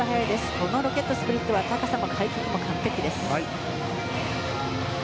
このロケットスプリットは高さも回転も完璧です。